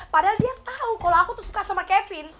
padahal dia tau kalo aku tuh suka sama kevin